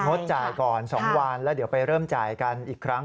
งดจ่ายก่อน๒วันแล้วเดี๋ยวไปเริ่มจ่ายกันอีกครั้ง